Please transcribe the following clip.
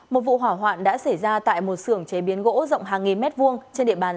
một vụ hỏa hoạn đã xảy ra tại một sưởng chế biến gỗ rộng hàng nghìn mét vuông trên địa bàn